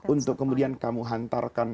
untuk kemudian kamu hantarkan